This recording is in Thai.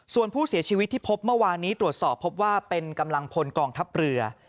ส่วนผู้เสียชีวิตที่พบเมื่อวานนี้ตรวจสอบพบว่าเป็นกำลังพลกองทัพเรือ